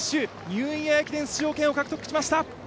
ニューイヤー駅伝出場権を獲得しました。